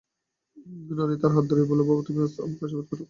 ননি তাঁর হাত ধরিয়া বলিল, বাবা, তুমি আজ আমাকে আশীর্বাদ করো।